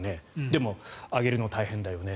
でも、上げるのは大変だよね